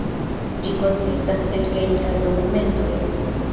Ĝi konsistas el kelkaj dokumentoj.